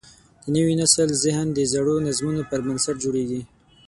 د نوي نسل ذهن د زړو نظمونو پر بنسټ جوړېږي.